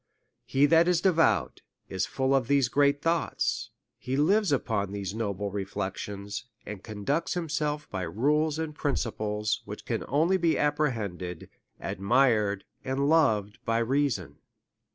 He that is devout is full of these great thoughts ; he lives upon lliese noble reflections, and conducts him self by rules and principles, which can only be appre hended, admired, and loved by reason.